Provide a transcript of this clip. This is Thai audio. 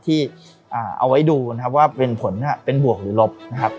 ที่เอาไว้ดูว่าเป็นผลเป็นบวกหรือลบ